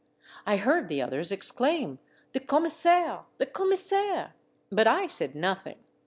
I heard the others exclaim, " The commissaire ! the commissaire !" But I said nothing.